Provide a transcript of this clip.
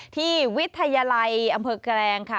ที่วิทยาลัยอำเภอแกรงค่ะ